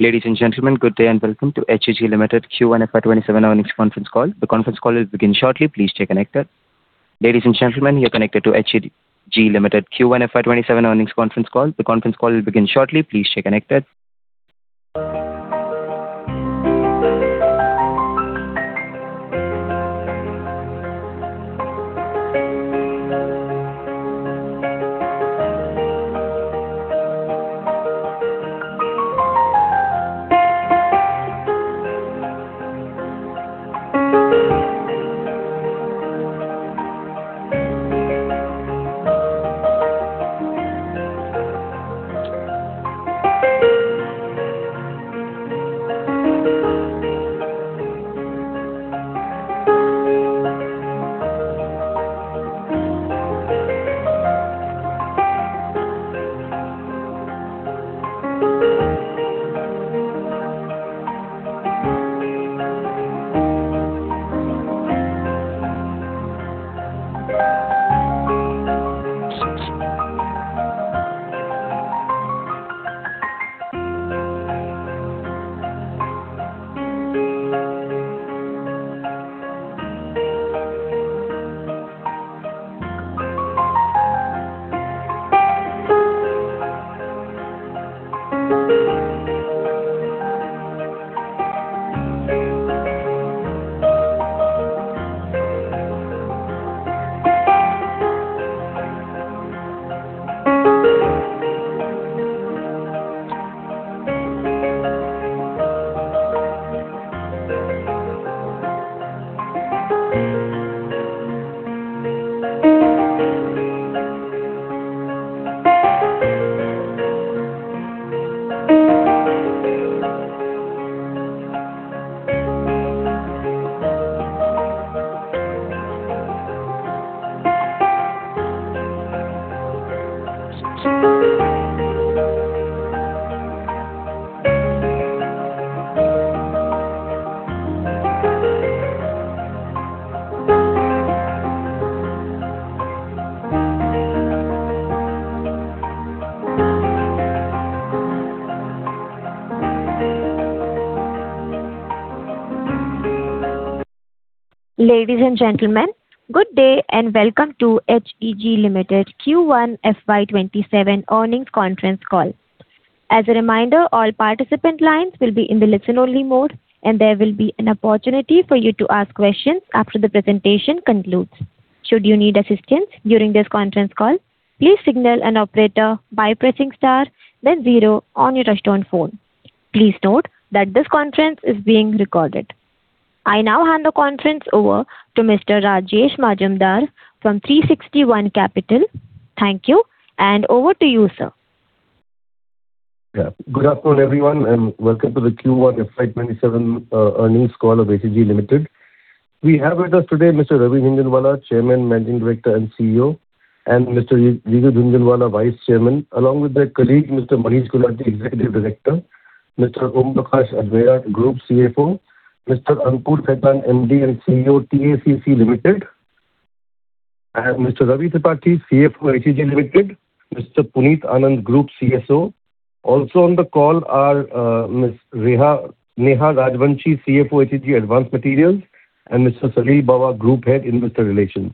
Ladies and gentlemen, good day and welcome to HEG Limited Q1 FY 2027 earnings conference call. As a reminder, all participant lines will be in the listen-only mode, and there will be an opportunity for you to ask questions after the presentation concludes. Should you need assistance during this conference call, please signal an operator by pressing star then zero on your touch-tone phone. Please note that this conference is being recorded. I now hand the conference over to Mr. Rajesh Majumder from 360 ONE Capital. Thank you, and over to you, sir. Good afternoon, everyone, and welcome to the Q1 FY 2027 earnings call of HEG Limited. We have with us today Mr. Ravi Jhunjhunwala, Chairman, Managing Director, and CEO, and Mr. Riju Jhunjhunwala, Vice Chairman, along with their colleague, Mr. Manish Gulati, Executive Director, Mr. Om Prakash Ajmera, Group CFO, Mr. Ankur Khaitan, MD and CEO, TACC Limited, and Mr. Ravi Tripathi, CFO, HEG Limited, Mr. Puneet Anand, Group CSO. Also on the call are Ms. Neha Rajvanshi, CFO, HEG Advanced Materials, and Mr. Salil Bawa, Group Head, Investor Relations.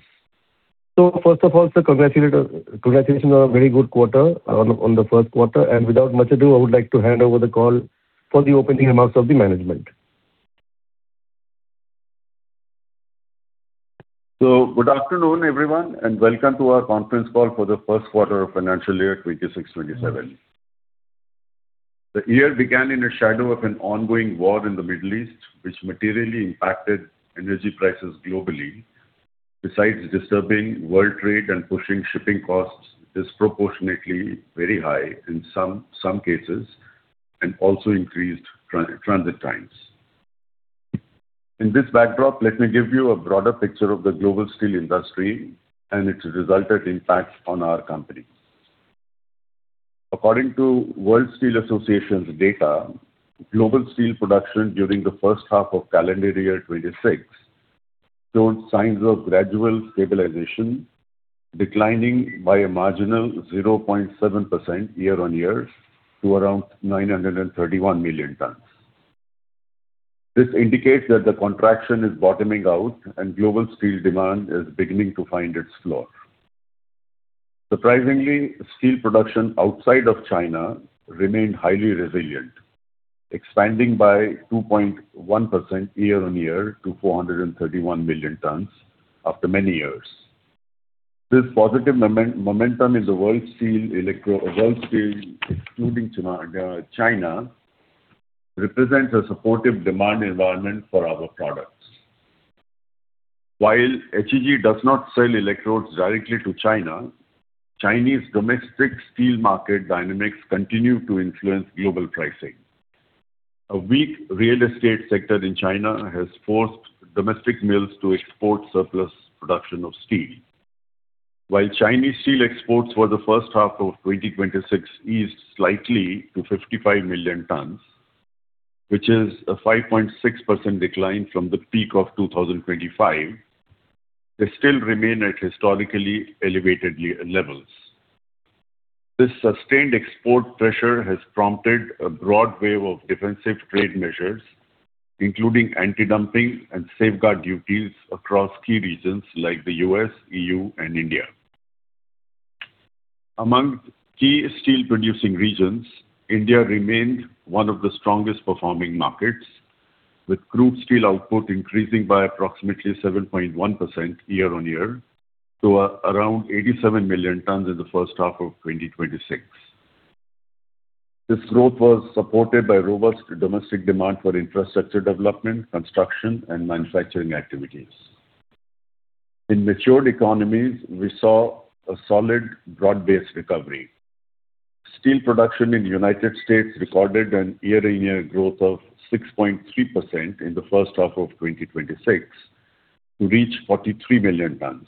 First of all, sir, congratulations on a very good quarter on the first quarter. Without much ado, I would like to hand over the call for the opening remarks of the management. Good afternoon, everyone, and welcome to our conference call for the first quarter of financial year 2026-2027. The year began in the shadow of an ongoing war in the Middle East, which materially impacted energy prices globally. Besides disturbing world trade and pushing shipping costs disproportionately very high in some cases and also increased transit times. In this backdrop, let me give you a broader picture of the global steel industry and its resulted impact on our company. According to World Steel Association's data, global steel production during the first half of calendar year 2026 showed signs of gradual stabilization, declining by a marginal 0.7% year-on-year to around 931 million tons. This indicates that the contraction is bottoming out and global steel demand is beginning to find its floor. Surprisingly, steel production outside of China remained highly resilient, expanding by 2.1% year-on-year to 431 million tons after many years. This positive momentum in the world steel excluding China represents a supportive demand environment for our products. While HEG does not sell electrodes directly to China, Chinese domestic steel market dynamics continue to influence global pricing. A weak real estate sector in China has forced domestic mills to export surplus production of steel. While Chinese steel exports for the first half of 2026 eased slightly to 55 million tons, which is a 5.6% decline from the peak of 2025. They still remain at historically elevated levels. This sustained export pressure has prompted a broad wave of defensive trade measures, including anti-dumping and safeguard duties across key regions like the U.S., EU, and India. Among key steel-producing regions, India remained one of the strongest performing markets, with crude steel output increasing by approximately 7.1% year-on-year to around 87 million tons in the first half of 2026. This growth was supported by robust domestic demand for infrastructure development, construction, and manufacturing activities. In matured economies, we saw a solid broad-based recovery. Steel production in the United States recorded a year-on-year growth of 6.3% in the first half of 2026 to reach 43 million tons,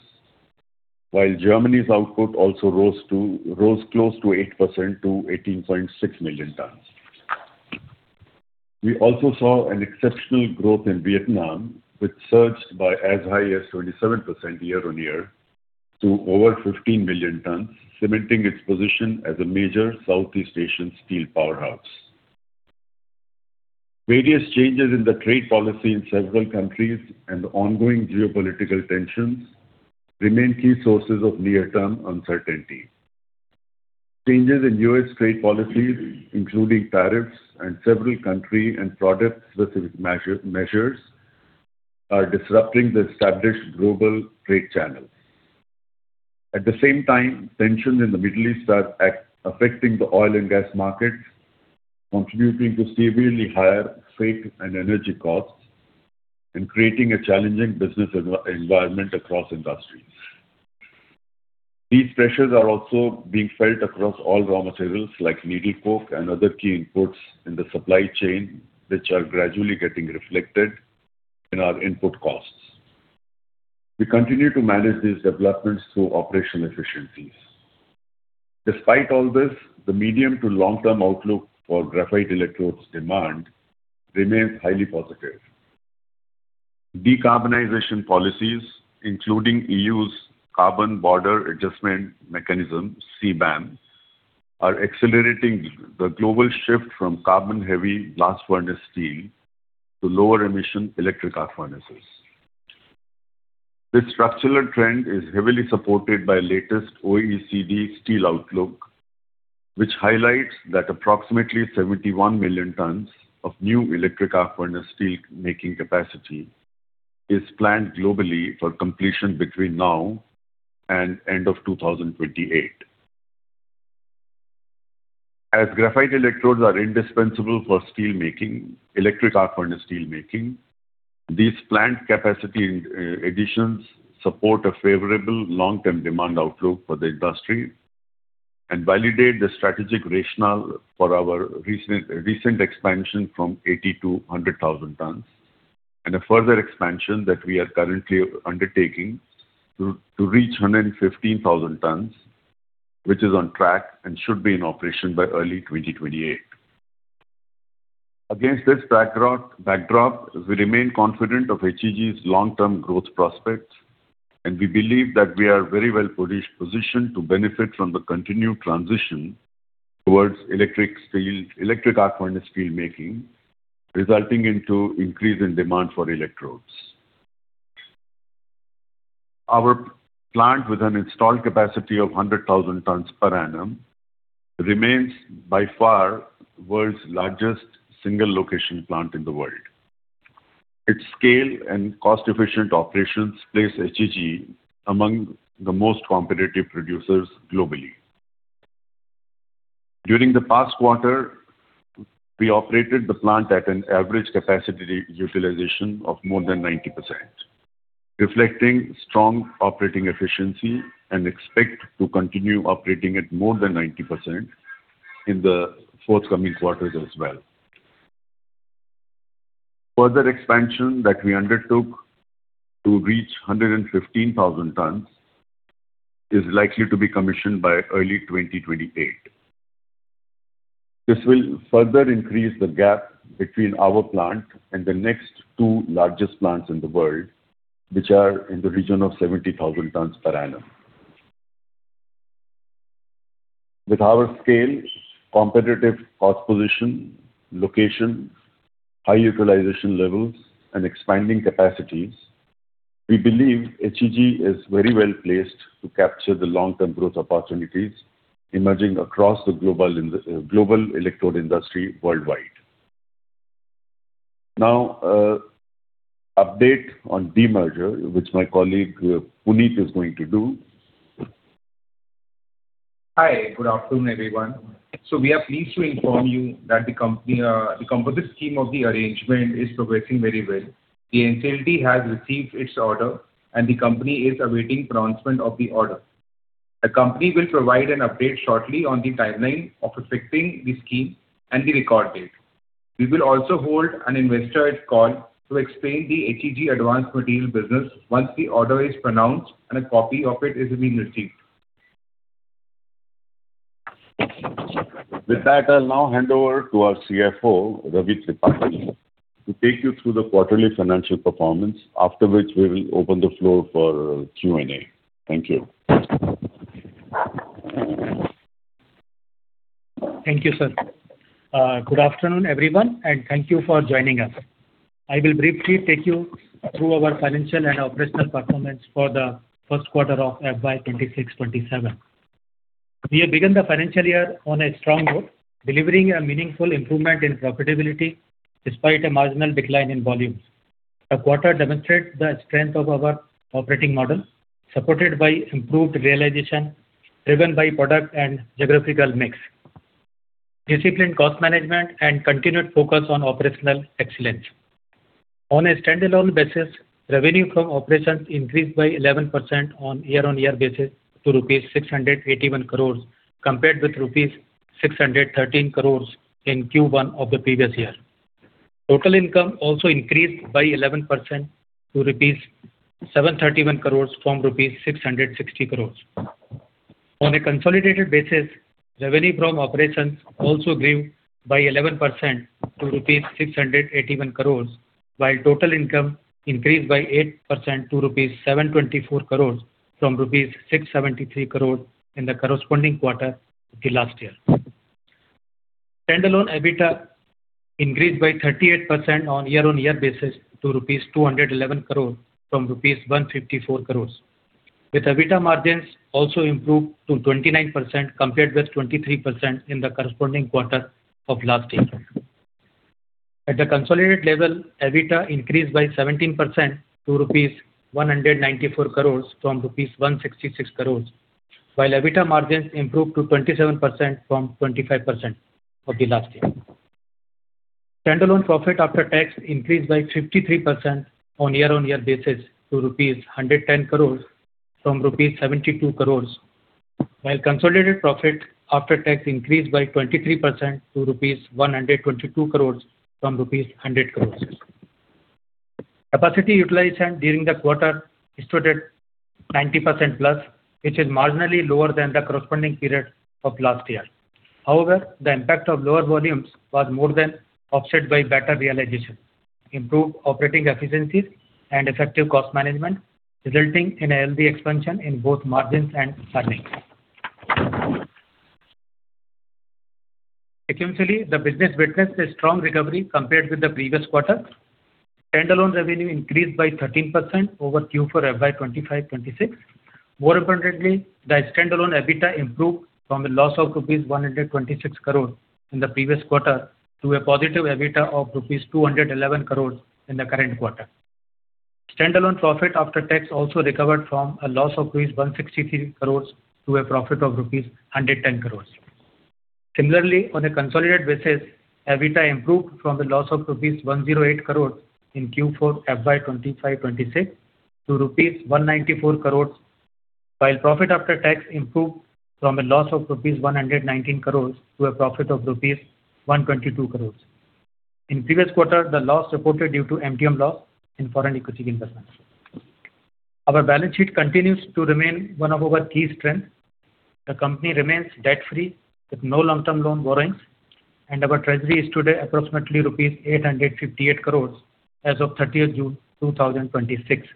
while Germany's output also rose close to 8% to 18.6 million tons. We also saw an exceptional growth in Vietnam, which surged by as high as 27% year-on-year to over 15 million tons, cementing its position as a major Southeast Asian steel powerhouse. Various changes in the trade policy in several countries and the ongoing geopolitical tensions remain key sources of near-term uncertainty. Changes in U.S. trade policy, including tariffs and several country and product-specific measures, are disrupting the established global trade channels. At the same time, tensions in the Middle East are affecting the oil and gas markets, contributing to severely higher freight and energy costs and creating a challenging business environment across industries. These pressures are also being felt across all raw materials like needle coke and other key inputs in the supply chain, which are gradually getting reflected in our input costs. We continue to manage these developments through operational efficiencies. Despite all this, the medium- to long-term outlook for graphite electrodes demand remains highly positive. Decarbonization policies, including EU's Carbon Border Adjustment Mechanism, CBAM, are accelerating the global shift from carbon-heavy blast furnace steel to lower emission electric arc furnaces. This structural trend is heavily supported by latest OECD steel outlook, which highlights that approximately 71 million tons of new electric arc furnace steel-making capacity is planned globally for completion between now and end of 2028. As graphite electrodes are indispensable for electric arc furnace steel making, these plant capacity additions support a favorable long-term demand outlook for the industry and validate the strategic rationale for our recent expansion from 80,000 tons to 100,000 tons, and a further expansion that we are currently undertaking to reach 115,000 tons, which is on track and should be in operation by early 2028. Against this backdrop, we remain confident of HEG's long-term growth prospects, and we believe that we are very well-positioned to benefit from the continued transition towards electric arc furnace steel making, resulting into increase in demand for electrodes. Our plant, with an installed capacity of 100,000 tons per annum, remains by far world's largest single location plant in the world. Its scale and cost-efficient operations place HEG among the most competitive producers globally. During the past quarter, we operated the plant at an average capacity utilization of more than 90%, reflecting strong operating efficiency, and expect to continue operating at more than 90% in the forthcoming quarters as well. Further expansion that we undertook to reach 115,000 tons is likely to be commissioned by early 2028. This will further increase the gap between our plant and the next two largest plants in the world, which are in the region of 70,000 tons per annum. With our scale, competitive cost position, location, high utilization levels, and expanding capacities, we believe HEG is very well-placed to capture the long-term growth opportunities emerging across the global electrode industry worldwide. Update on demerger, which my colleague, Puneet, is going to do. Hi, good afternoon, everyone. We are pleased to inform you that the composite scheme of the arrangement is progressing very well. The NCLT has received its order, and the company is awaiting pronouncement of the order. The company will provide an update shortly on the timeline of effecting the scheme and the record date. We will also hold an Investor call to explain the HEG Advanced Materials business once the order is pronounced and a copy of it is being received. With that, I will now hand over to our CFO, Ravi Tripathi, to take you through the quarterly financial performance. After which we will open the floor for Q&A. Thank you. Thank you, sir. Good afternoon, everyone, and thank you for joining us. I will briefly take you through our financial and operational performance for the first quarter of FY 2026-2027. We have begun the financial year on a strong note, delivering a meaningful improvement in profitability despite a marginal decline in volumes. The quarter demonstrates the strength of our operating model, supported by improved realization, driven by product and geographical mix, disciplined cost management, and continued focus on operational excellence. On a standalone basis, revenue from operations increased by 11% on year-on-year basis to rupees 681 crores, compared with rupees 613 crores in Q1 of the previous year. Total income also increased by 11% to rupees 731 crores from rupees 660 crores. On a consolidated basis, revenue from operations also grew by 11% to rupees 681 crores, while total income increased by 8% to rupees 724 crores from rupees 673 crores in the corresponding quarter of the last year. Standalone EBITDA increased by 38% on year-on-year basis to rupees 211 crores from rupees 154 crores, with EBITDA margins also improved to 29%, compared with 23% in the corresponding quarter of last year. At the consolidated level, EBITDA increased by 17% to rupees 194 crores from rupees 166 crores, while EBITDA margins improved to 27% from 25% of the last year. Standalone profit after tax increased by 53% on year-on-year basis to rupees 110 crores from rupees 72 crores, while consolidated profit after tax increased by 23% to rupees 122 crores from rupees 100 crores. Capacity utilization during the quarter stood at 90%+, which is marginally lower than the corresponding period of last year. However, the impact of lower volumes was more than offset by better realization, improved operating efficiencies, and effective cost management, resulting in a healthy expansion in both margins and earnings. Sequentially, the business witnessed a strong recovery compared with the previous quarter. Standalone revenue increased by 13% over Q4 FY 2025-2026. More importantly, the standalone EBITDA improved from a loss of rupees 126 crores in the previous quarter to a positive EBITDA of rupees 211 crores in the current quarter. Standalone profit after tax also recovered from a loss of rupees 163 crores to a profit of rupees 110 crores. Similarly, on a consolidated basis, EBITDA improved from a loss of rupees 108 crores in Q4 FY 2025-2026 to rupees 194 crores, while profit after tax improved from a loss of rupees 119 crores to a profit of rupees 122 crores. In previous quarter, the loss reported due to MTM loss in foreign equity investment. Our balance sheet continues to remain one of our key strengths. The company remains debt-free with no long-term loan borrowings, and our treasury is today approximately rupees 858 crores as of 30th June 2026.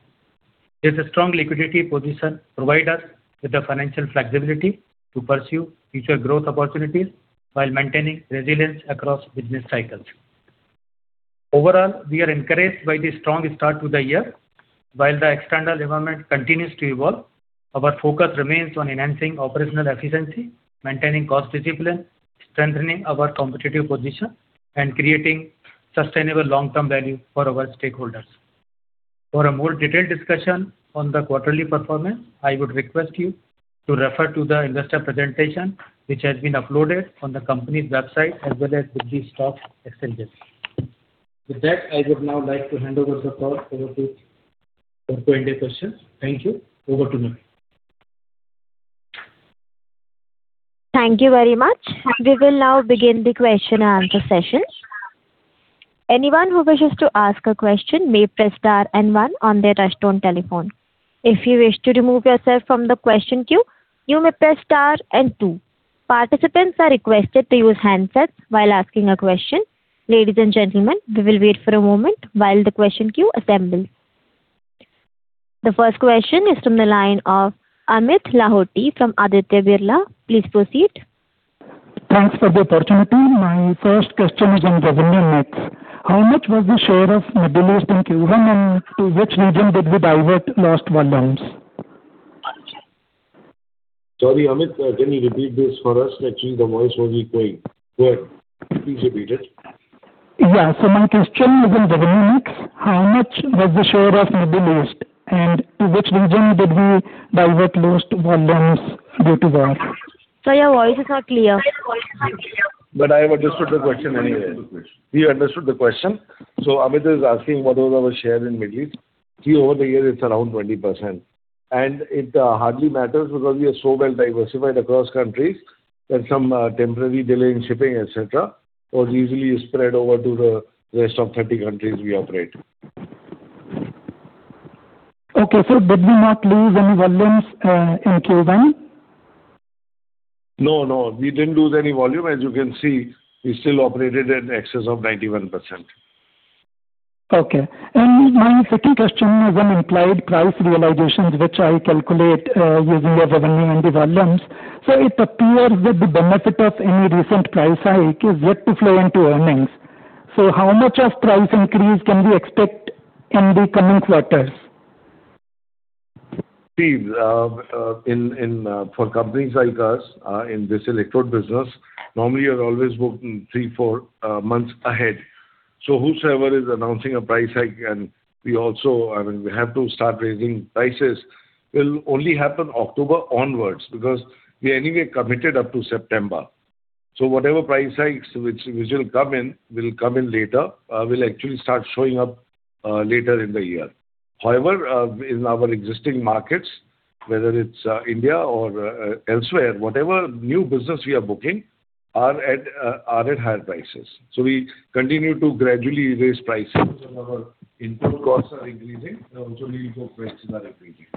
This strong liquidity position provide us with the financial flexibility to pursue future growth opportunities while maintaining resilience across business cycles. Overall, we are encouraged by the strong start to the year. While the external environment continues to evolve, our focus remains on enhancing operational efficiency, maintaining cost discipline, strengthening our competitive position, and creating sustainable long-term value for our stakeholders. For a more detailed discussion on the quarterly performance, I would request you to refer to the investor presentation, which has been uploaded on the company's website as well as Bombay Stock Exchange. With that, I would now like to hand over the call over to Q&A questions. Thank you. Over to you, ma'am. Thank you very much. We will now begin the question-and-answer session. Anyone who wishes to ask a question may press star and one on their touchtone telephone. If you wish to remove yourself from the question queue, you may press star and two. Participants are requested to use handsets while asking a question. Ladies and gentlemen, we will wait for a moment while the question queue assembles. The first question is from the line of Amit Lahoti from Aditya Birla. Please proceed. Thanks for the opportunity. My first question is on revenue mix. How much was the share of Middle East in Q1, and to which region did we divert lost volumes? Sorry, Amit, can you repeat this for us? Actually, the voice wasn't quite clear. Please repeat it. Yeah. My question is on revenue mix. How much was the share of Middle East, and to which region did we divert lost volumes due to war? Sir, your voice is not clear. I have understood the question anyway. We understood the question. Amit is asking what was our share in Middle East. See, over the years it's around 20%, and it hardly matters because we are so well diversified across countries that some temporary delay in shipping, et cetera, was easily spread over to the rest of 30 countries we operate. Okay, sir, did we not lose any volumes in Q1? No, we didn't lose any volume. As you can see, we still operated in excess of 91%. My second question is on implied price realizations, which I calculate using your revenue and the volumes. It appears that the benefit of any recent price hike is yet to flow into earnings. How much of price increase can we expect in the coming quarters? See, for companies like us in this electrode business, normally you're always booking three, four months ahead. Whosoever is announcing a price hike, we have to start raising prices, will only happen October onwards, because we anyway committed up to September. Whatever price hikes which will come in, will come in later, will actually start showing up later in the year. However, in our existing markets, whether it's India or elsewhere, whatever new business we are booking are at higher prices. We continue to gradually raise prices as our input costs are increasing and also the input prices are increasing.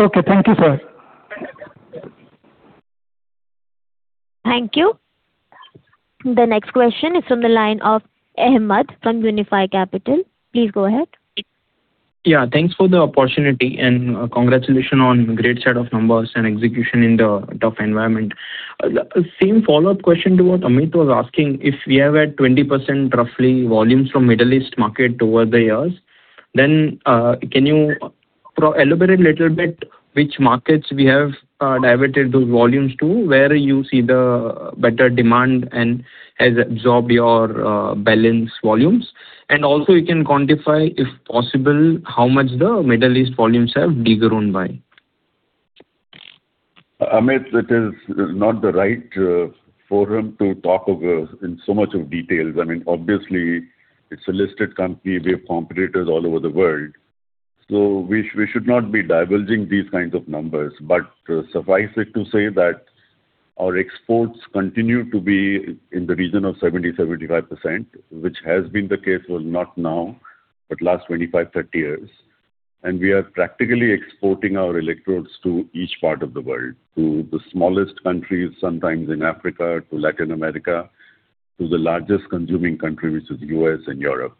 Okay, thank you, sir. Thank you. The next question is from the line of Ahmed from Unifi Capital. Please go ahead. Thanks for the opportunity, and congratulations on great set of numbers and execution in the tough environment. Same follow-up question to what Amit was asking. We have had 20% roughly volumes from Middle East market over the years. Can you elaborate a little bit which markets we have diverted those volumes to, where you see the better demand and has absorbed your balance volumes? Also, you can quantify, if possible, how much the Middle East volumes have de-grown by. Amit, it is not the right forum to talk of in so much of details. Obviously, it is a listed company. We have competitors all over the world. We should not be divulging these kinds of numbers. Suffice it to say that our exports continue to be in the region of 70%-75%, which has been the case for not now, but last 25-30 years. We are practically exporting our electrodes to each part of the world. To the smallest countries sometimes in Africa, to Latin America, to the largest consuming country, which is U.S. and Europe.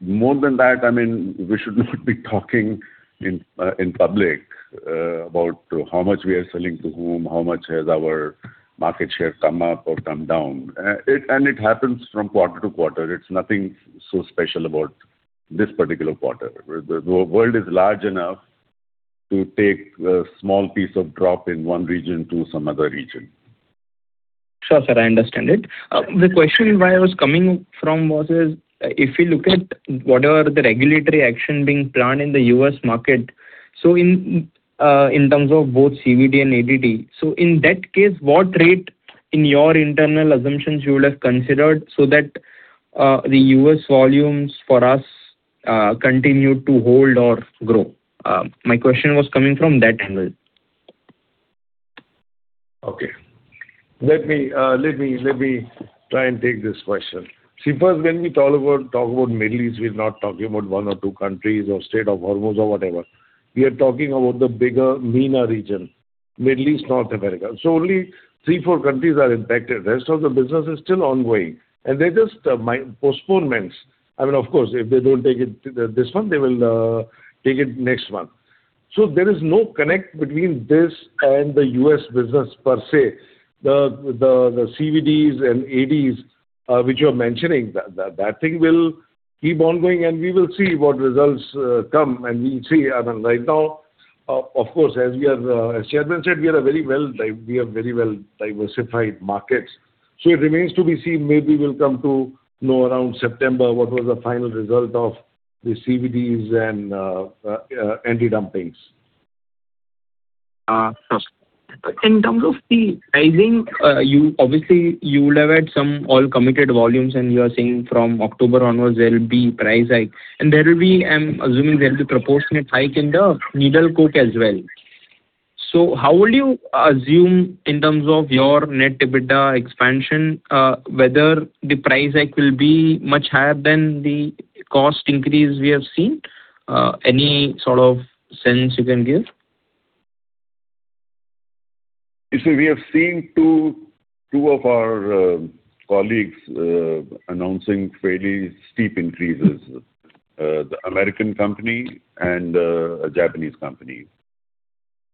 More than that, we should not be talking in public about how much we are selling to whom, how much has our market share come up or come down. It happens from quarter-to-quarter. It is nothing so special about this particular quarter. The world is large enough to take a small piece of drop in one region to some other region. Sure, sir, I understand it. The question where I was coming from was if you look at whatever the regulatory action being planned in the U.S. market, so in terms of both CVD and AD, so in that case, what rate in your internal assumptions you would have considered so that the U.S. volumes for us continue to hold or grow? My question was coming from that angle. Okay. Let me try and take this question. See, first, when we talk about Middle East, we are not talking about one or two countries or Strait of Hormuz or whatever. We are talking about the bigger MENA region, Middle East, North Africa. Only three, four countries are impacted. The rest of the business is still ongoing, and they are just postponements. Of course, if they do not take it this month, they will take it next month. There is no connect between this and the U.S. business per se. The CVDs and ADs which you are mentioning, that thing will keep on going, and we will see what results come, and we will see. Right now, of course, as Chairman said, we are very well diversified markets. It remains to be seen. Maybe we will come to know around September what was the final result of the CVDs and anti-dumpings. In terms of the pricing, obviously you would have had some all committed volumes, and you are saying from October onwards there will be price hike. There will be, I am assuming there will be proportionate hike in the needle coke as well. How will you assume in terms of your net EBITDA expansion, whether the price hike will be much higher than the cost increase we have seen? Any sort of sense you can give? You see, we have seen two of our colleagues announcing fairly steep increases. The American company and a Japanese company.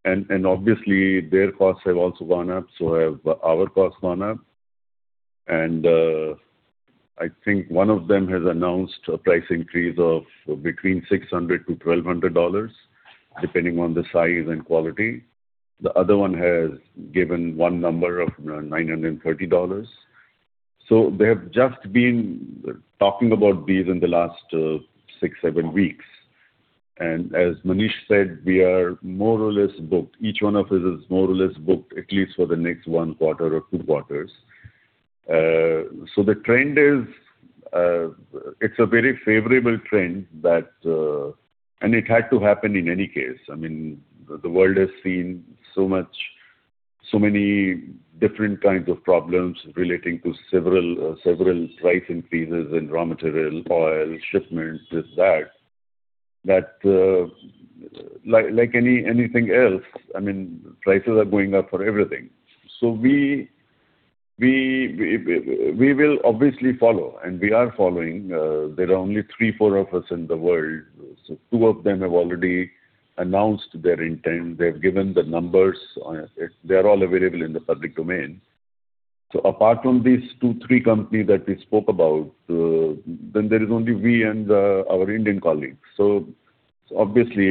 Obviously their costs have also gone up, so have our costs gone up. I think one of them has announced a price increase of between $600-$1,200, depending on the size and quality. The other one has given one number of $930. They have just been talking about these in the last six, seven weeks. As Manish said, we are more or less booked. Each one of us is more or less booked at least for the next one quarter or two quarters. The trend is a very favorable trend that it had to happen in any case. The world has seen so many different kinds of problems relating to several price increases in raw material, oil, shipments, this, that, like anything else, prices are going up for everything. We will obviously follow, and we are following. There are only three, four of us in the world. Two of them have already announced their intent. They have given the numbers. They are all available in the public domain. Apart from these two, three companies that we spoke about, then there is only we and our Indian colleagues. Obviously,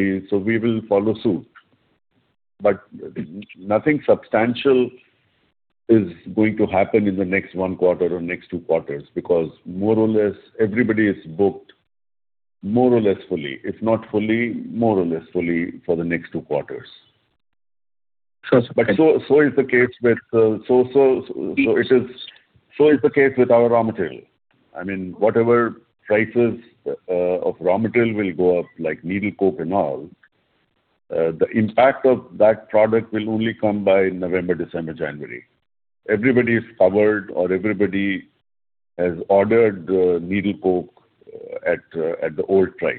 we will follow suit. Nothing substantial is going to happen in the next one quarter or next two quarters, because more or less, everybody is booked more or less fully. If not fully, more or less fully for the next two quarters. Sure. So is the case with our raw material. Whatever prices of raw material will go up, like needle coke and all, the impact of that product will only come by November, December, January. Everybody is covered or everybody has ordered needle coke at the old price.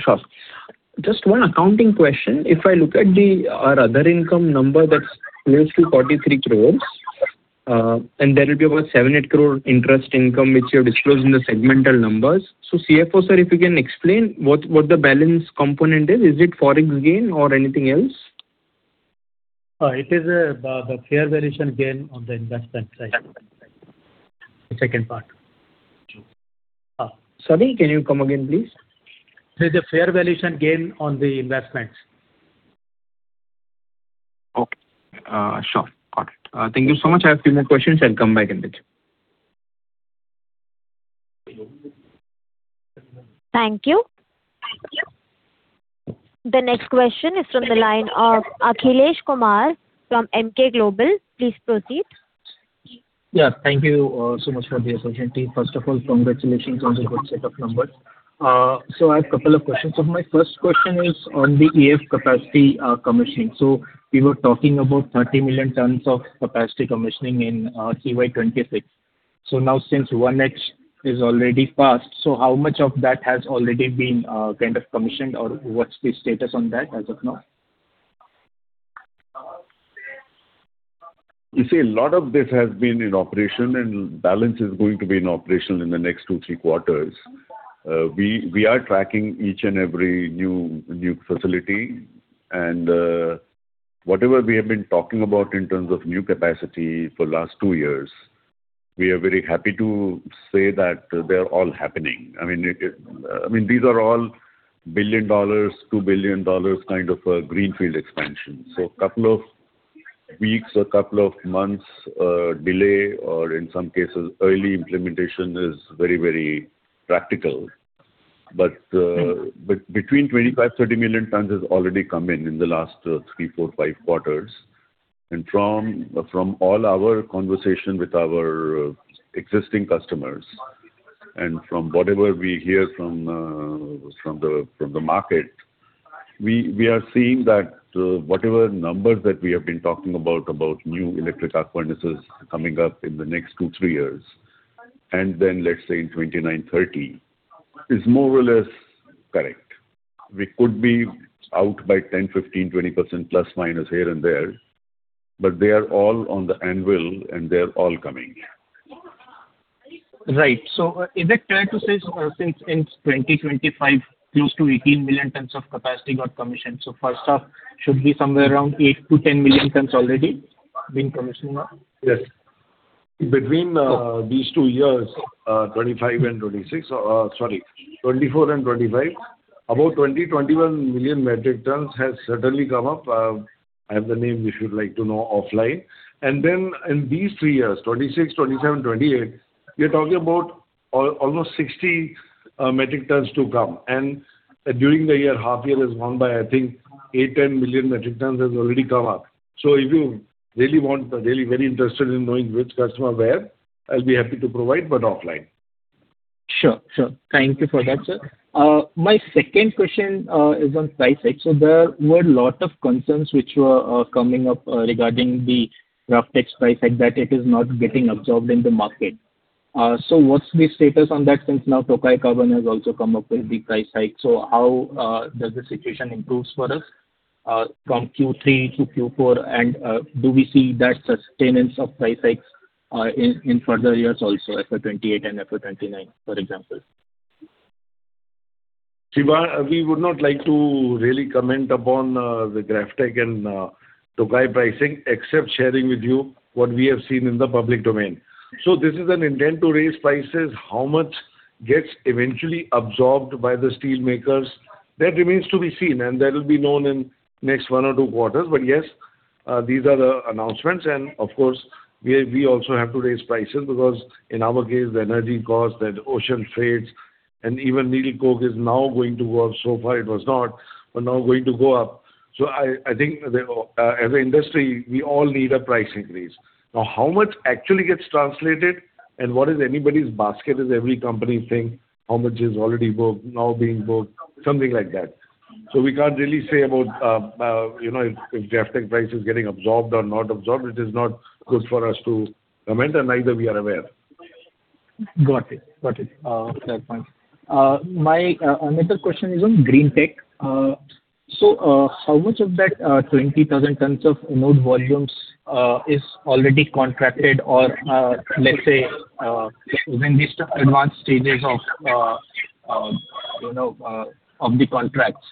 Sure. Just one accounting question. If I look at our other income number that's close to 43 crores, there will be about 7 crore-8 crore interest income, which you have disclosed in the segmental numbers. CFO, sir, if you can explain what the balance component is. Is it forex gain or anything else? It is the fair valuation gain on the investment side. The second part. Sorry, can you come again, please? There's a fair valuation gain on the investments. Okay. Sure. Got it. Thank you so much. I have few more questions. I'll come back in bit. Thank you. The next question is from the line of Akhilesh Kumar from Emkay Global. Please proceed. Thank you so much for the opportunity. First of all, congratulations on the good set of numbers. I have a couple of questions. My first question is on the EAF capacity commissioning. We were talking about 30 million tons of capacity commissioning in CY 2026. Now since 1H is already passed, so how much of that has already been kind of commissioned or what's the status on that as of now? You see, a lot of this has been in operation. Balance is going to be in operation in the next two, three quarters. We are tracking each and every new facility. Whatever we have been talking about in terms of new capacity for last two years, we are very happy to say that they are all happening. These are all $1 billion, $2 billion kind of a greenfield expansion. Couple of weeks or couple of months delay or in some cases early implementation is very practical. Between 25 million-30 million tons has already come in in the last three, four, five quarters. From all our conversation with our existing customers and from whatever we hear from the market, we are seeing that whatever numbers that we have been talking about new electric arc furnaces coming up in the next two, three years, and then let's say in 2029-2030, is more or less correct. We could be out by 10%, 15%, 20% plus minus here and there. They are all on the anvil and they're all coming. Right. Is it fair to say since in 2025, close to 18 million tons of capacity got commissioned. So far, stuff should be somewhere around 8 million-10 million tons already been commissioned now? Yes. Between these two years, 2025 and 2026. Sorry, 2024 and 2025, about 20 million metric tons-21 million metric tons has certainly come up. I have the name if you'd like to know offline. In these three years, 2026, 2027, 2028, we're talking about almost 60 million metric tons to come. During the year, half year is gone by, I think 8 million metric tons-10 million metric tons has already come up. If you really want, really very interested in knowing which customer where, I'll be happy to provide, but offline. Sure. Thank you for that, sir. My second question is on price hike. there were lot of concerns which were coming up regarding the GrafTech's price hike, that it is not getting absorbed in the market. what's the status on that since now Tokai Carbon has also come up with the price hike. How does the situation improves for us from Q3 to Q4? Do we see that sustenance of price hikes in further years also, FY 2028 and FY 2029, for example? Shri, we would not like to really comment upon the GrafTech and Tokai pricing except sharing with you what we have seen in the public domain. This is an intent to raise prices. How much gets eventually absorbed by the steel makers, that remains to be seen, and that will be known in next one or two quarters. Yes, these are the announcements and of course, we also have to raise prices because in our case, the energy cost and ocean trades and even needle coke is now going to go up. So far it was not, but now going to go up. I think as an industry, we all need a price increase. Now how much actually gets translated What is anybody's basket is every company think how much is already booked, now being booked, something like that. We can't really say about if GrafTech price is getting absorbed or not absorbed, it is not good for us to comment, and neither we are aware. Got it. Fair point. My another question is on HEG Greentech. How much of that 20,000 tons of anode volumes is already contracted or let's say, is in advanced stages of the contracts?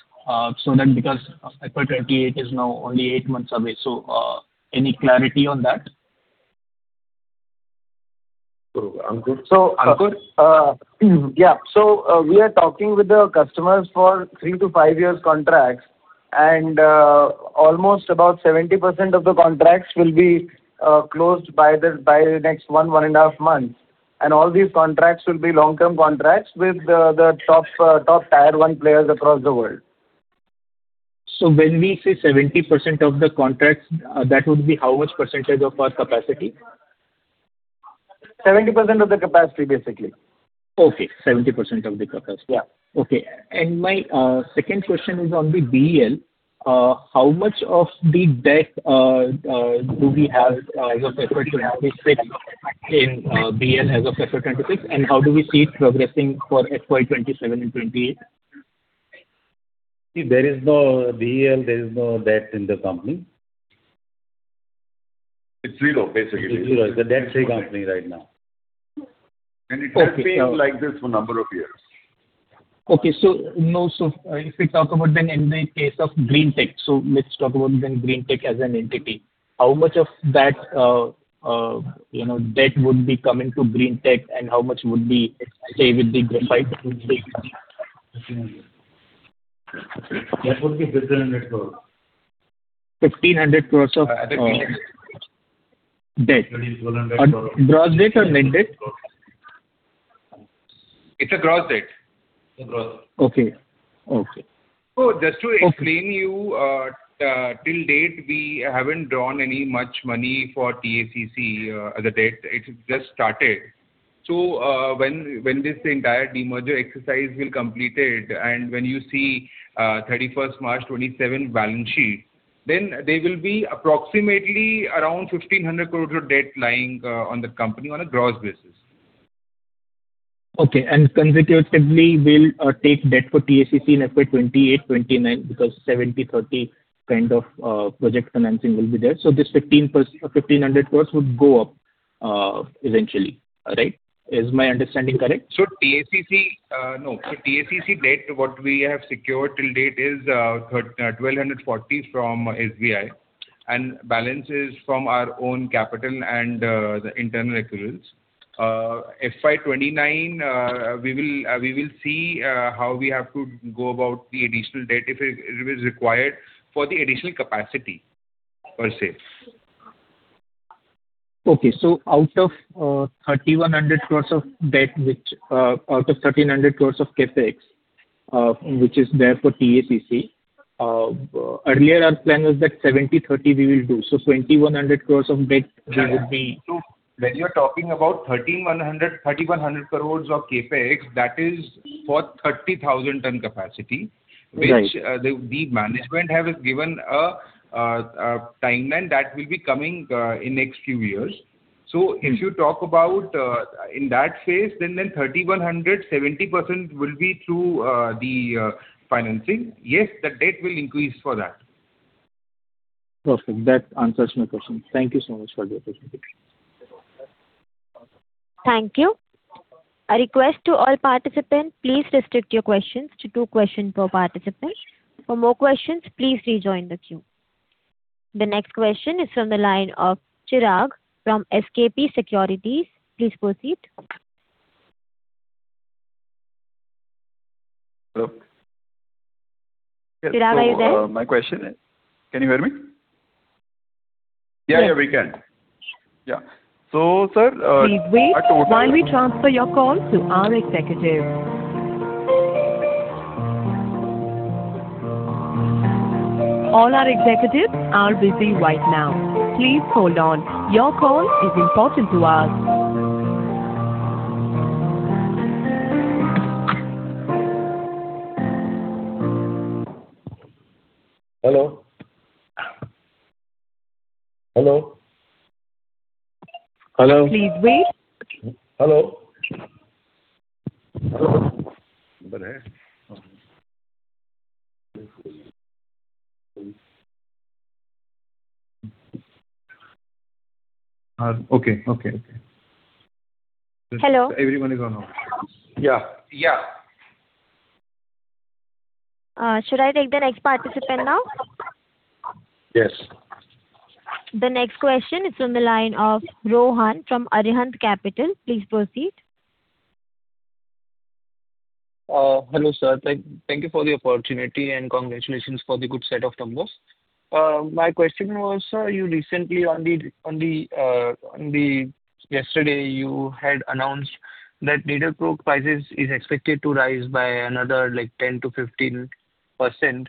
Because FY 2028 is now only eight months away, so any clarity on that? Ankur. So- Ankur. Yeah. We are talking with the customers for three to five years contracts, almost about 70% of the contracts will be closed by the next one and a half months. All these contracts will be long-term contracts with the top Tier 1 players across the world. When we say 70% of the contracts, that would be how much percentage of our capacity? 70% of the capacity, basically. Okay. 70% of the capacity. Yeah. My second question is on the DEL. How much of the debt do we have as of FY 2026 in DEL as of FY 2026, and how do we see it progressing for FY 2027 and 2028? See, there is no DEL, there is no debt in the company. It's zero, basically. It's zero. It's a debt-free company right now. It has been like this for a number of years. Okay. If we talk about then in the case of HEG Greentech, let's talk about then HEG Greentech as an entity. How much of that debt would be coming to HEG Greentech and how much would be, let's say, with the HEG Greentech company? That would be INR 1,500 crores. INR 1,500 crores INR 1,500 crores. -debt. INR 1,500 crores. Gross debt or net debt? It's a gross debt. It's a gross. Okay. Just to explain you, till date, we haven't drawn any much money for TACC, the debt. It's just started. When this entire demerger exercise will completed, and when you see 31st March 2027 balance sheet, there will be approximately around 1,500 crore debt lying on the company on a gross basis. Okay. Consecutively, we'll take debt for TACC in FY 2028-2029 because 70/30 kind of project financing will be there. This 1,500 crore would go up eventually, right? Is my understanding correct? TACC debt, what we have secured till date is 1,240 from SBI, balance is from our own capital and the internal accruals. FY 2029, we will see how we have to go about the additional debt if it is required for the additional capacity per se. Out of INR 1,300 crores of CapEx, which is there for TACC, earlier our plan was that 70/30 we will do. 2,100 crores of debt will be- When you're talking about 1,300 crores of CapEx, that is for 30,000 ton capacity. Right. Which the management have given a timeline that will be coming in next few years. If you talk about in that phase, 1,300, 70% will be through the financing. Yes, the debt will increase for that. Perfect. That answers my question. Thank you so much for your presentation. Thank you. A request to all participants, please restrict your questions to two questions per participant. For more questions, please rejoin the queue. The next question is from the line of Chirag from SKP Securities. Please proceed. Hello. Chirag, are you there? My question is. Can you hear me? Yeah, we can. Yeah. Hello? Hello? Hello? Hello? Hello? Okay. Hello. Everyone is on hold. Yeah. Yeah. Should I take the next participant now? Yes. The next question is from the line of Rohan from Arihant Capital. Please proceed. Hello, sir. Thank you for the opportunity, and congratulations for the good set of numbers. My question was, sir, yesterday you had announced that needle coke prices is expected to rise by another 10%-15%. Given the coverage cycle of our roughly 45-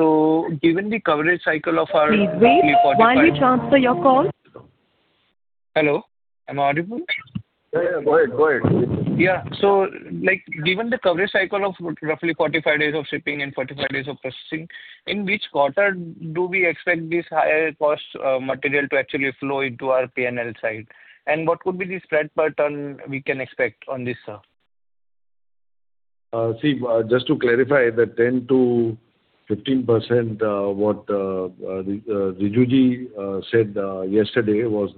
Hello, am I audible? Yeah. Go ahead. Yeah. Given the coverage cycle of roughly 45 days of shipping and 45 days of processing, in which quarter do we expect this higher cost material to actually flow into our P&L side? What could be the spread per ton we can expect on this, sir? See, just to clarify, the 10%-15% Riju ji said yesterday was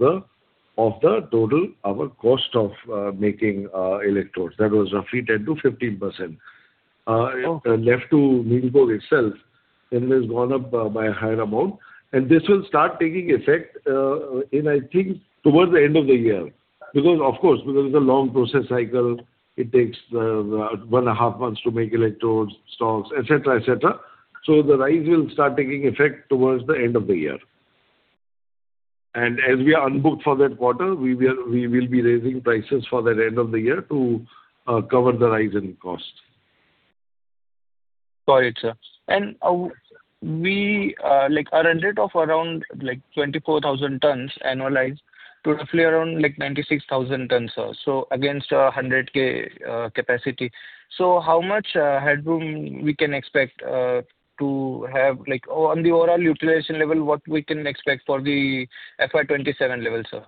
of the total our cost of making electrodes. That was roughly 10%-15%. Left to needle coke itself, it has gone up by a higher amount. This will start taking effect in, I think, towards the end of the year. Because, of course, because it's a long process cycle, it takes one and a half months to make electrodes, stocks, et cetera. The rise will start taking effect towards the end of the year. As we are unbooked for that quarter, we will be raising prices for the end of the year to cover the rise in cost. Got it, sir. Our run-rate of around 24,000 tons annualized to roughly around 96,000 tons. Against our 100,000 tons capacity. How much headroom we can expect to have on the overall utilization level, what we can expect for the FY 2027 level, sir?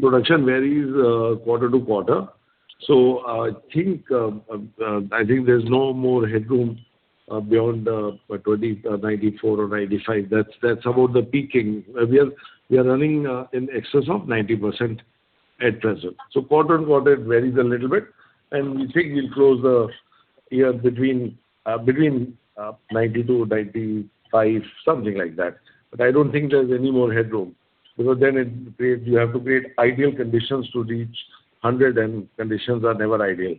Production varies quarter-to-quarter. I think there's no more headroom beyond 94% or 95%. That's about the peaking. We are running in excess of 90% at present. Quarter-on-quarter, it varies a little bit, and we think we'll close the year between 92%-95%, something like that. I don't think there's any more headroom, because then you have to create ideal conditions to reach 100%, and conditions are never ideal.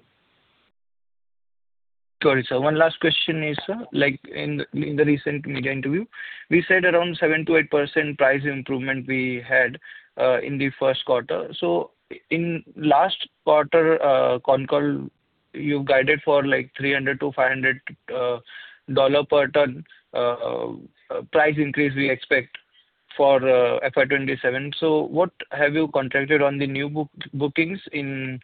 Got it, sir. One last question is, sir, in the recent media interview, we said around 7%-8% price improvement we had in the first quarter. In last quarter concall, you guided for $300 per ton-$500 per ton price increase we expect for FY 2027. What have you contracted on the new bookings in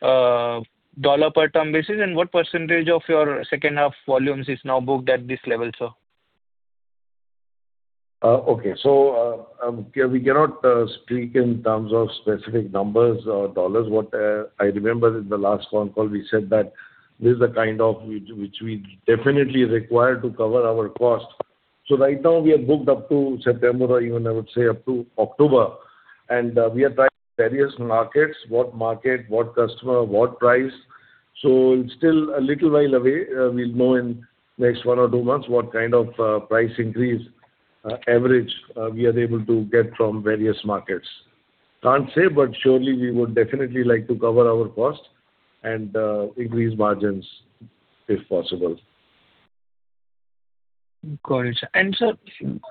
dollar per ton basis, and what percentage of your second half volumes is now booked at this level, sir? Okay. We cannot speak in terms of specific numbers or dollars. What I remember in the last concall, we said that this is the kind of which we definitely require to cover our cost. Right now, we are booked up to September or even, I would say, up to October, and we are trying various markets, what market, what customer, what price. It's still a little while away. We'll know in next one or two months what kind of price increase average we are able to get from various markets. Can't say, surely we would definitely like to cover our cost and increase margins if possible. Got it, sir. Sir,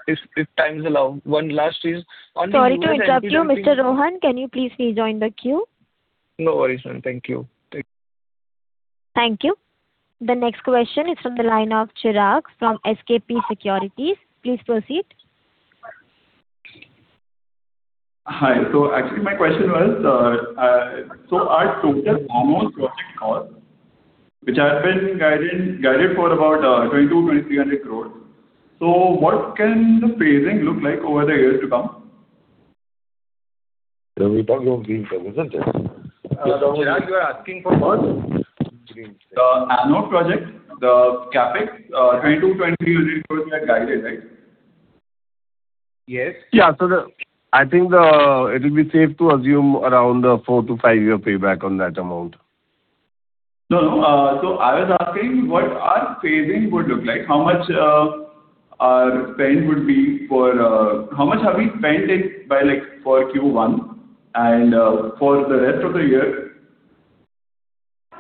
if times allow, one last is on the- Sorry to interrupt you, Mr. Rohan. Can you please rejoin the queue? No worries, ma'am. Thank you. Thank you. The next question is from the line of Chirag from SKP Securities. Please proceed. Hi. Actually, my question was, our total anode project cost, which has been guided for about 2,200 crore-2,300 crore. What can the phasing look like over the years to come? You're talking of greenfield, isn't it? Chirag, you are asking for what? The anode project, the CapEx 2,200 crores-2,300 crores we had guided, right? Yes. Yeah. I think it will be safe to assume around a four- to five-year payback on that amount. No. I was asking what our phasing would look like, how much have we spent it by for Q1 and for the rest of the year,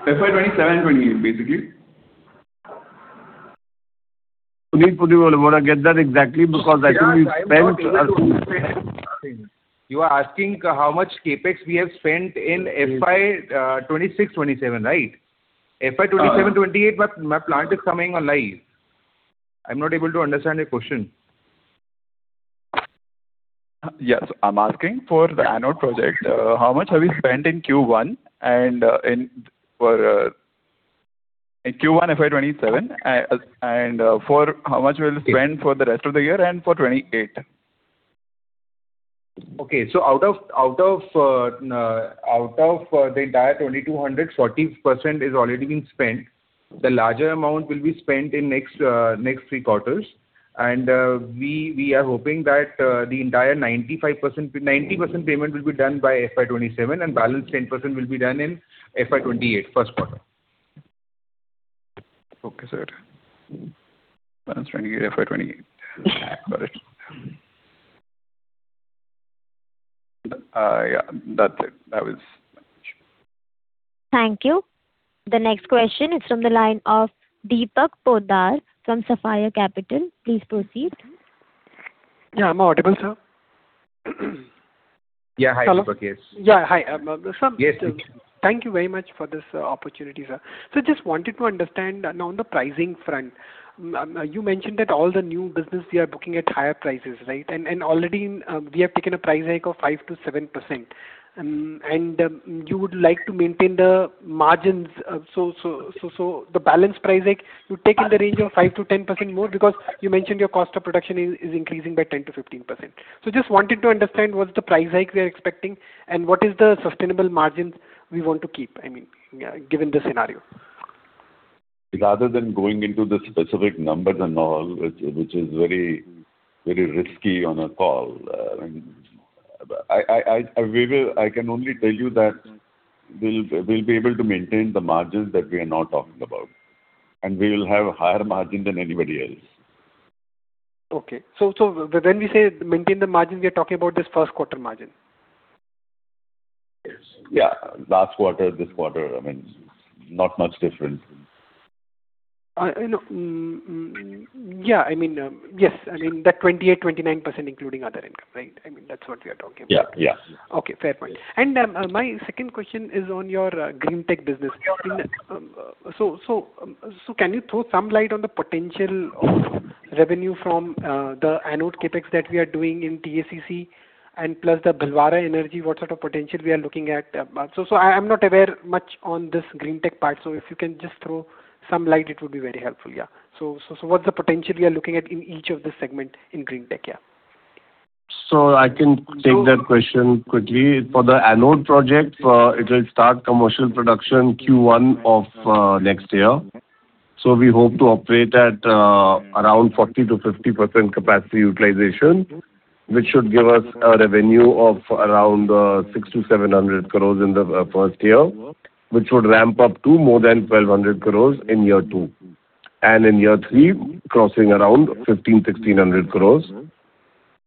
FY 2027 and 2028, basically. Puneet would be able to get that exactly because actually we've spent Chirag, I am not able to understand what you are asking. You are asking how much CapEx we have spent in FY 2026-2027, right? FY 2027-2028, my plant is coming online. I'm not able to understand your question. Yes. I'm asking for the anode project, how much have we spent in Q1 and for how much we'll spend for the rest of the year and for 2028? Okay. Out of the entire INR 2,200, 40% is already been spent. The larger amount will be spent in next three quarters. We are hoping that the entire 90% payment will be done by FY 2027, and balance 10% will be done in FY 2028 first quarter. Okay, sir. Balance FY 2028. Got it. Yeah. That's it. Thank you. The next question is from the line of Deepak Poddar from Sapphire Capital. Please proceed. Yeah, am I audible, sir? Yeah. Hi, Deepak. Yes. Yeah. Hi. Yes, Deepak. Thank you very much for this opportunity, sir. Just wanted to understand now on the pricing front, you mentioned that all the new business you are booking at higher prices. Already, we have taken a price hike of 5%-7%. You would like to maintain the margins, so the balance price hike you take in the range of 5%-10% more, because you mentioned your cost of production is increasing by 10%-15%. Just wanted to understand what's the price hike we are expecting and what is the sustainable margins we want to keep, given the scenario. Rather than going into the specific numbers and all, which is very risky on a call, I can only tell you that we'll be able to maintain the margins that we are now talking about, and we will have higher margin than anybody else. Okay. When we say maintain the margin, we are talking about this first quarter margin. Yes. Last quarter, this quarter, not much different. Yes. That 28%- 29%, including other income, right? That's what we are talking about. Yeah. Okay. Fair point. My second question is on your HEG Greentech business. Yes. Can you throw some light on the potential of revenue from the anode CapEx that we are doing in TACC and plus the Bhilwara Energy, what sort of potential we are looking at? I'm not aware much on this Greentech part, if you can just throw some light, it would be very helpful. What's the potential we are looking at in each of the segment in Greentech? I can take that question quickly. For the anode project, it will start commercial production Q1 of next year. We hope to operate at around 40%-50% capacity utilization, which should give us a revenue of around 600 crores-700 crores in the first year, which would ramp-up to more than 1,200 crores in year two. In year three, crossing around 1,500 crores-1,600 crores.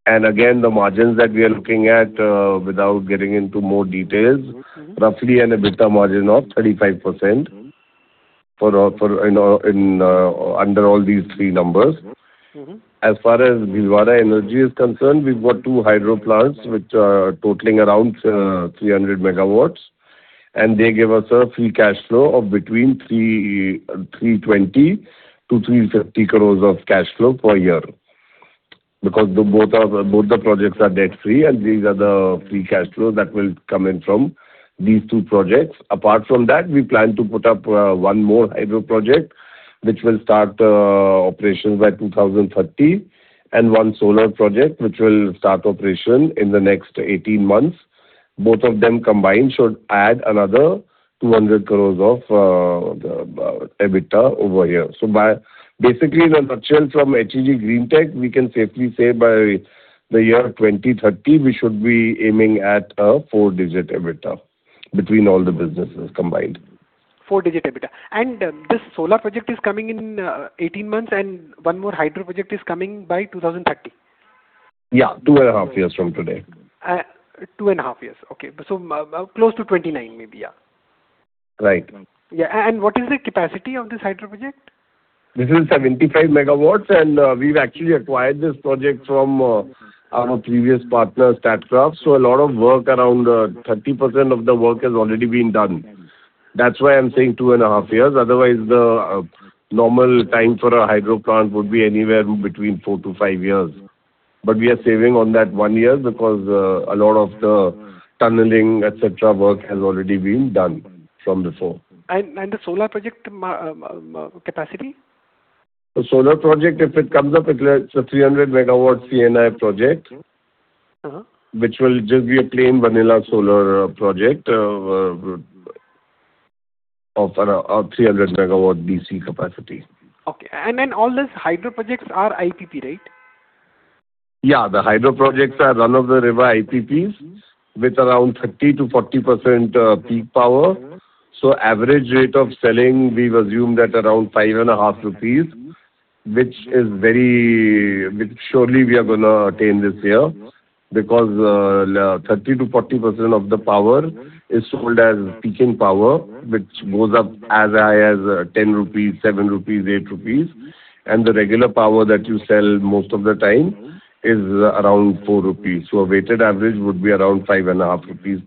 Again, the margins that we are looking at, without getting into more details, roughly an EBITDA margin of 35% under all these three numbers. As far as Bhilwara Energy is concerned, we've got two hydro plants which are totaling around 300 MW, and they give us a free cash flow of between 320 crores-350 crores of cash flow per year. Because both the projects are debt-free, and these are the free cash flow that will come in from these two projects. Apart from that, we plan to put up one more hydro project, which will start operations by 2030, and one solar project, which will start operation in the next 18 months. Both of them combined should add another 200 crores of the EBITDA over here. Basically, the nutshell from HEG Greentech, we can safely say by the year 2030, we should be aiming at a four-digit EBITDA between all the businesses combined. Four-digit EBITDA. This solar project is coming in 18 months, and one more hydro project is coming by 2030. Yeah, two and a half years from today. Two and a half years. Okay. Close to 2029 maybe. Right. Yeah. What is the capacity of this hydro project? This is 75 MW, and we've actually acquired this project from our previous partner, Statkraft. A lot of work, around 30% of the work has already been done. That's why I'm saying two and a half years. Otherwise, the normal time for a hydro plant would be anywhere between four to five years. We are saving on that one year because a lot of the tunneling, et cetera, work has already been done from before. The solar project capacity? The solar project, if it comes up, it's a 300 MW C&I project. Which will just be a plain vanilla solar project of 300 MW DC capacity. Okay. All these hydro projects are IPP, right? Yeah. The hydro projects are run-of-the-river IPPs with around 30%-40% peak power. Average rate of selling, we've assumed at around 5.5 rupees, which surely we are going to attain this year because, 30%-40% of the power is sold as peaking power, which goes up as high as 10 rupees, 7 rupees, 8 rupees, and the regular power that you sell most of the time is around 4 rupees. A weighted average would be around 5.5+ rupees.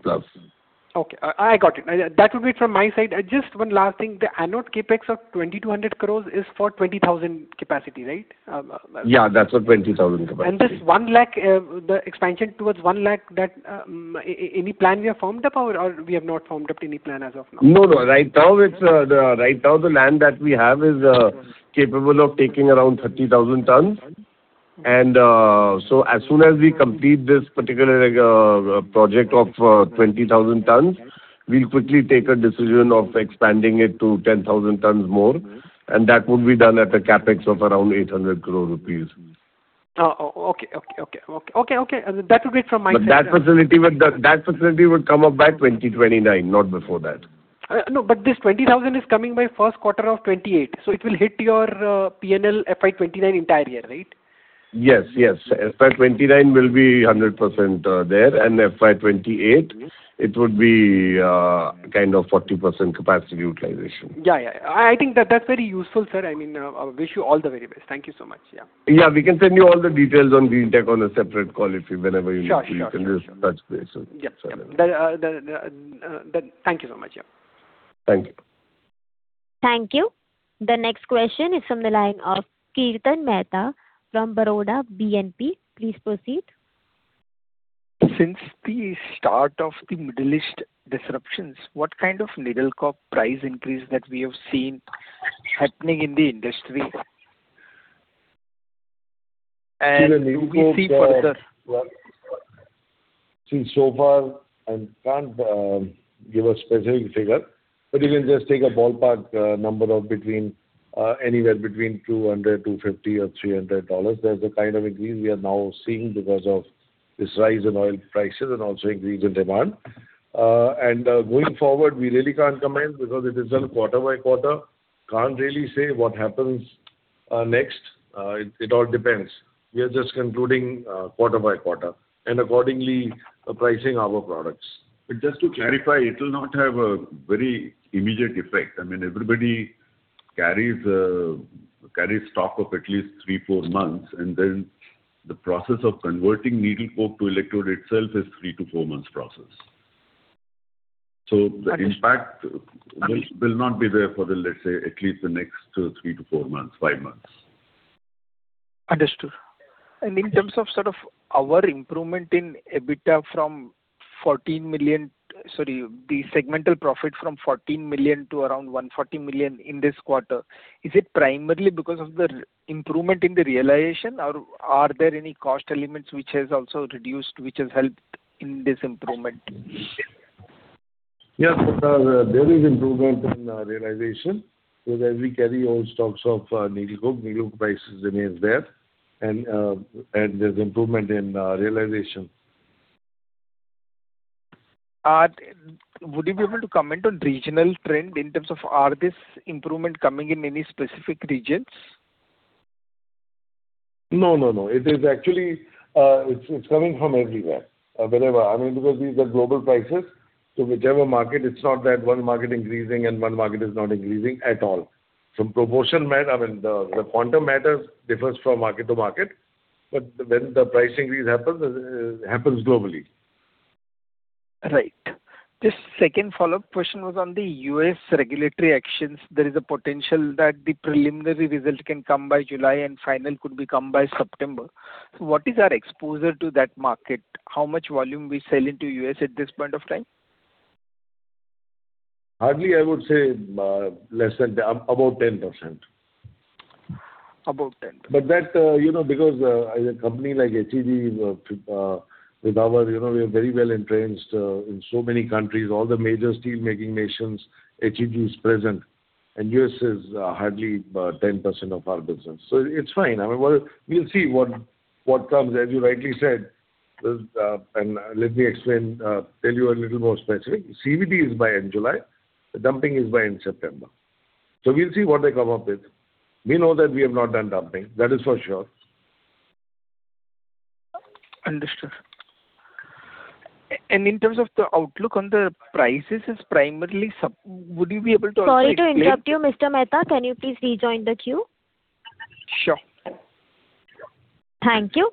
Okay. I got it. That would be it from my side. Just one last thing. The anode CapEx of 2,200 crores is for 20,000 tons capacity, right? Yeah, that's for 20,000 tons capacity. The expansion towards 1 lakh, any plan we have formed up or we have not formed up any plan as of now? No. Right now, the land that we have is capable of taking around 30,000 tons. As soon as we complete this particular project of 20,000 tons, we'll quickly take a decision of expanding it to 10,000 tons more, that would be done at a CapEx of around 800 crores rupees. Okay. That would be it from my side. That facility would come up by 2029, not before that. No. This 20,000 tons is coming by first quarter of 2028, so it will hit your P&L FY 2029 entire year, right? Yes. FY 2029 will be 100% there, and FY 2028, it would be 40% capacity utilization. Yeah. I think that's very useful, sir. I wish you all the very best. Thank you so much. Yeah. Yeah. We can send you all the details on Greentech on a separate call if whenever you need. Sure. You can just touch base. Yeah. Thank you so much. Yeah. Thank you. Thank you. The next question is from the line of Kirtan Mehta from Baroda BNP. Please proceed. Since the start of the Middle East disruptions, what kind of needle coke price increase that we have seen happening in the industry? So far, I can't give a specific figure, but you can just take a ballpark number of anywhere between $200, $250 or $300. That's the kind of increase we are now seeing because of this rise in oil prices and also increase in demand. Going forward, we really can't comment because it is done quarter-by-quarter, can't really say what happens next. It all depends. We are just concluding quarter-by-quarter, and accordingly, pricing our products. Just to clarify, it will not have a very immediate effect. Everybody carries stock of at least three, four months, and then the process of converting needle coke to electrode itself is three to four months process. The impact will not be there for, let's say, at least the next three to four months, five months. Understood. In terms of our improvement in EBITDA, the segmental profit from 14 million to around 140 million in this quarter. Is it primarily because of the improvement in the realization, or are there any cost elements which has also reduced, which has helped in this improvement? Because there is improvement in realization, so that we carry all stocks of needle coke. Needle coke price remains there, and there's improvement in realization. Would you be able to comment on regional trend in terms of, are this improvement coming in any specific regions? No. It's coming from everywhere. Wherever. These are global prices, so whichever market, it's not that one market increasing and one market is not increasing, at all. Some proportion matter. The quantum matters differs from market to market, but when the price increase happens, it happens globally. Right. Just second follow-up question was on the U.S. regulatory actions. There is a potential that the preliminary result can come by July and final could be come by September. What is our exposure to that market? How much volume we sell into U.S. at this point of time? Hardly, I would say, about 10%. About 10%. That, because as a company like HEG, we are very well entrenched in so many countries. All the major steel making nations, HEG is present, U.S. is hardly 10% of our business. It's fine. We'll see what comes. As you rightly said, let me explain, tell you a little more specific. CVD is by end July. Dumping is by end September. We'll see what they come up with. We know that we have not done dumping. That is for sure. Understood. In terms of the outlook on the prices. Would you be able to also explain Sorry to interrupt you, Mr. Mehta. Can you please rejoin the queue? Sure. Thank you.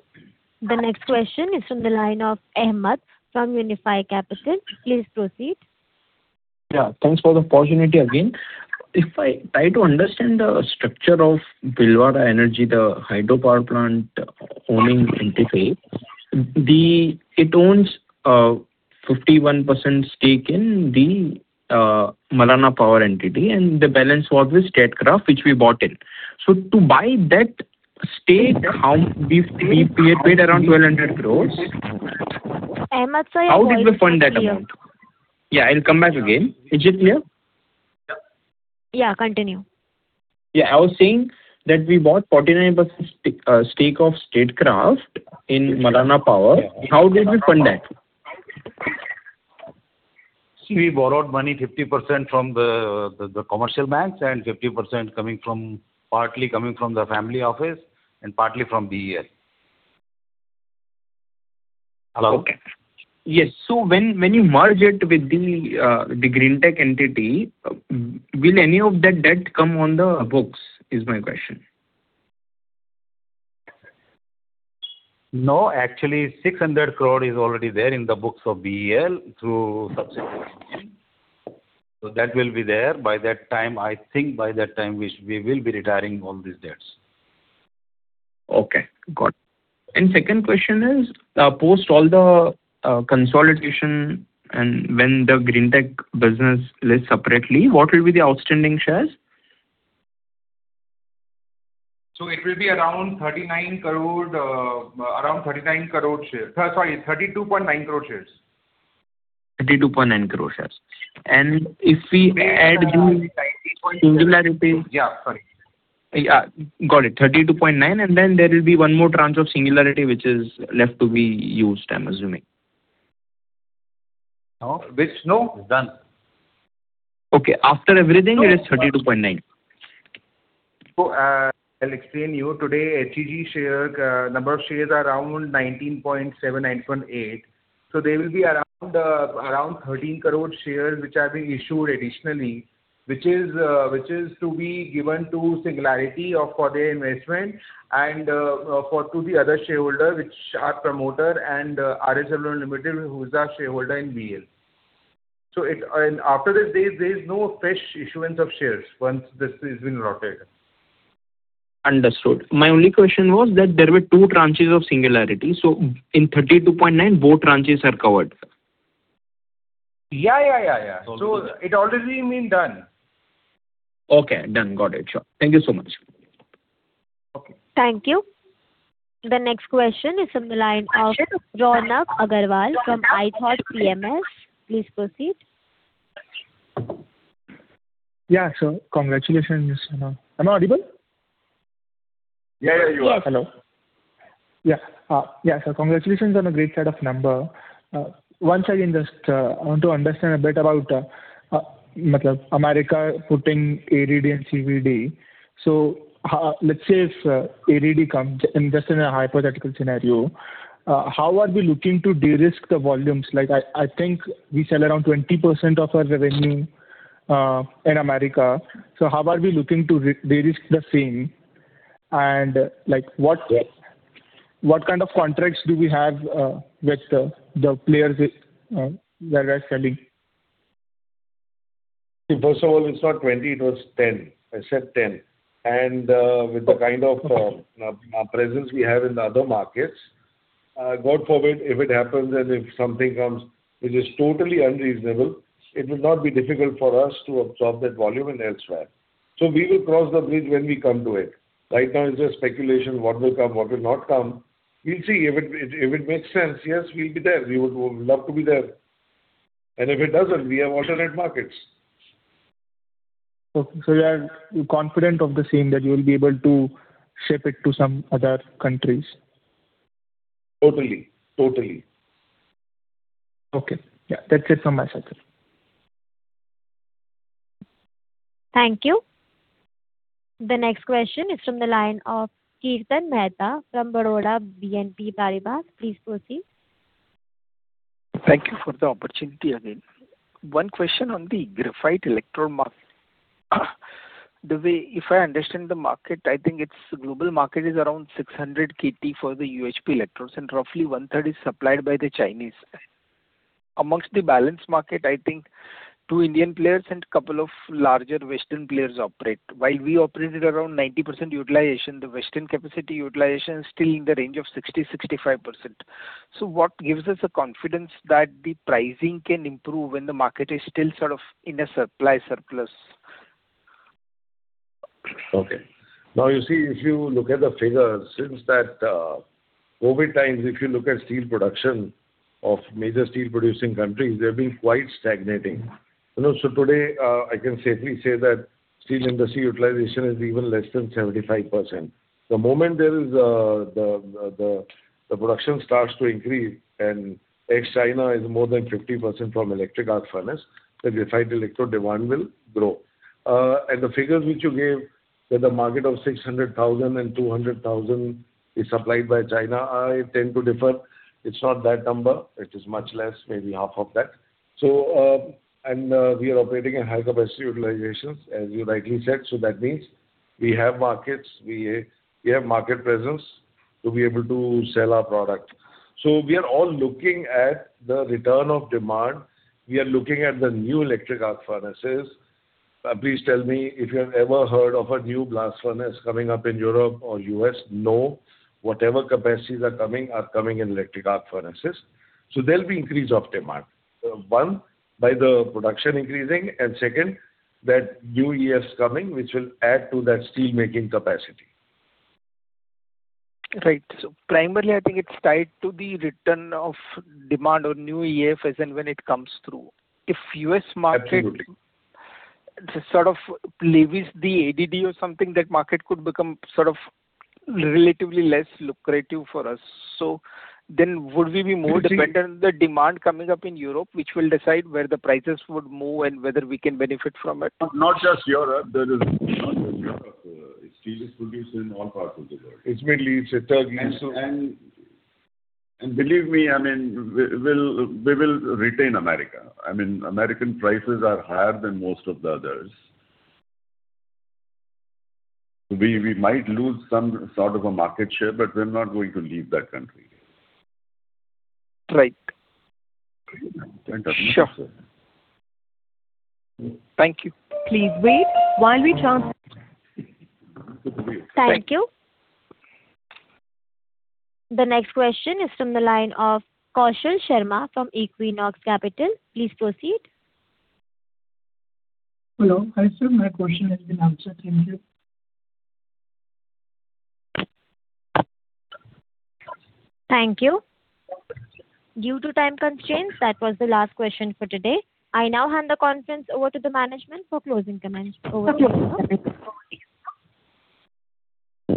The next question is from the line of Ahmed from Unifi Capital. Please proceed. Yeah. Thanks for the opportunity again. If I try to understand the structure of Bhilwara Energy, the hydropower plant owning entity, it owns a 51% stake in the Malana Power entity, and the balance was with Statkraft, which we bought in. To buy that stake, we paid around 1,200 crores. Ahmed, your voice is breaking. How did we fund that amount? Yeah, I'll come back again. Is it clear? Yeah. Continue. Yeah, I was saying that we bought 49% stake of Statkraft in Malana Power. How did we fund that? See, we borrowed money 50% from the commercial banks, and 50% partly coming from the family office and partly from DEL. Hello? Okay. Yes. When you merge it with the Greentech entity, will any of that debt come on the books, is my question. No. Actually, 600 crore is already there in the books of DEL through subsidiary. That will be there. I think by that time, we will be retiring all these debts. Okay. Got it. Second question is, post all the consolidation and when the Greentech business lists separately, what will be the outstanding shares? It will be around 39 crore shares. Sorry, 32.9 crore shares. 32.9 crore shares. If we add the singularity- Yeah. Sorry. Yeah. Got it. 32.9 crores, then there will be one more tranche of Singularity which is left to be used, I'm assuming. No. It's no, done. Okay. After everything, it is 32.9 crores. I'll explain to you. Today, HEG share, number of shares are around 19.7 crores-19.8 crores. There will be around 13 crore shares which are being issued additionally, which is to be given to Singularity for their investment and to the other shareholder, which are promoter and RSL Limited, who is our shareholder in DEL. After this, there's no fresh issuance of shares once this has been allotted. Understood. My only question was that there were two tranches of Singularity. In 32.9 crores, both tranches are covered? Yeah. It already been done. Okay. Done. Got it. Sure. Thank you so much. Okay. Thank you. The next question is from the line of Ronak Agarwal from Ithought PMS. Please proceed. Yeah, sir. Congratulations. Am I audible? Yeah, you are. Hello. Yeah. Sir, congratulations on a great set of number. Once again, just want to understand a bit about America putting ADD and CVD. Let's say if ADD comes, just in a hypothetical scenario, how are we looking to de-risk the volumes? I think we sell around 20% of our revenue in America. How are we looking to de-risk the same, and what kind of contracts do we have with the players where we are selling? First of all, it's not 20%, it was 10%. I said 10%. With the kind of presence we have in the other markets, God forbid, if it happens and if something comes, which is totally unreasonable, it will not be difficult for us to absorb that volume in elsewhere. We will cross the bridge when we come to it. Right now, it's just speculation, what will come, what will not come. We'll see. If it makes sense, yes, we'll be there. We would love to be there. If it doesn't, we have alternate markets. Okay. You are confident of the same, that you will be able to ship it to some other countries? Totally. Okay. Yeah, that's it from my side, sir. Thank you. The next question is from the line of Kirtan Mehta from Baroda BNP Paribas. Please proceed. Thank you for the opportunity again. One question on the graphite electrode market. If I understand the market, I think its global market is around 600 KT for the UHP electrodes, and roughly one third is supplied by the Chinese. Amongst the balanced market, I think two Indian players and couple of larger Western players operate. While we operated around 90% utilization, the Western capacity utilization is still in the range of 60%-65%. What gives us the confidence that the pricing can improve when the market is still sort of in a supply surplus? Okay. Now you see, if you look at the figures, since that COVID times, if you look at steel production of major steel producing countries, they've been quite stagnating. Today, I can safely say that steel industry utilization is even less than 75%. The moment the production starts to increase, ex-China is more than 50% from electric arc furnace, the graphite electrode demand will grow. The figures which you gave, that the market of 600,000 and 200,000 is supplied by China, I tend to differ. It's not that number. It is much less, maybe half of that. We are operating at high capacity utilizations, as you rightly said. That means we have markets, we have market presence to be able to sell our product. We are all looking at the return of demand. We are looking at the new electric arc furnaces. Please tell me if you have ever heard of a new blast furnace coming up in Europe or U.S. No. Whatever capacities are coming, are coming in electric arc furnaces. There'll be increase of demand. One, by the production increasing, and second, that new EAF is coming, which will add to that steel making capacity. Right. Primarily, I think it's tied to the return of demand or new EAF as and when it comes through. If U.S. market. Absolutely. Sort of levies the ADD or something, that market could become sort of relatively less lucrative for us. Would we be more dependent on the demand coming up in Europe, which will decide where the prices would move and whether we can benefit from it? Not just Europe, there is steel is produced in all parts of the world. Middle East, China. Believe me, we will retain America. American prices are higher than most of the others. We might lose some sort of a market share, but we're not going to leave that country. Right. Sure. Thank you. Thank you. The next question is from the line of Kaushal Sharma from Equinox Capital. Please proceed. Hello. Hi sir, my question has been answered. Thank you. Thank you. Due to time constraints, that was the last question for today. I now hand the conference over to the management for closing comments. Over to you, sir.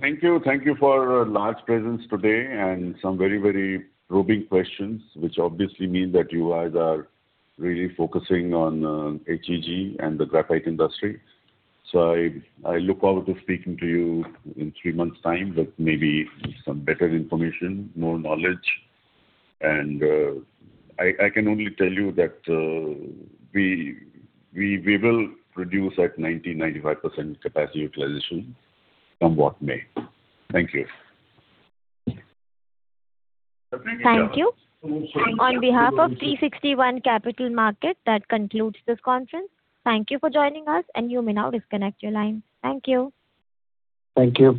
Thank you. Thank you for large presence today and some very probing questions, which obviously mean that you guys are really focusing on HEG and the graphite industry. I look forward to speaking to you in three months' time with maybe some better information, more knowledge. I can only tell you that we will produce at 90%-95% capacity utilization come what may. Thank you. Thank you. On behalf of 360 ONE Capital Market, that concludes this conference. Thank you for joining us, and you may now disconnect your line. Thank you. Thank you.